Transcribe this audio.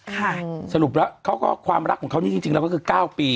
สรุปแล้วเขาก็ความรักของเขานี่จริงแล้วก็คือ๙ปี